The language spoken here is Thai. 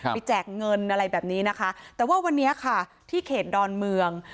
แจกเงินอะไรแบบนี้นะคะแต่ว่าวันนี้ค่ะที่เขตดอนเมือง